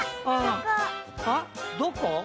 あっどこ？